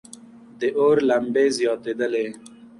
د اور لمبې زیاتېدلې.